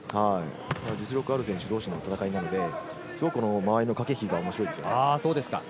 実力のある選手同士の戦いなので、間合いの駆け引きが面白いですね。